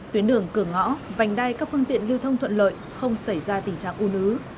tuyến đường cửa ngõ vành đai các phương tiện lưu thông thuận lợi không xảy ra tình trạng u nứ